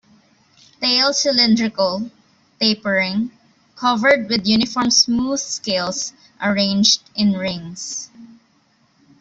Tail cylindrical, tapering, covered with uniform smooth scales arranged in rings.